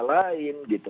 ke ibu kota lain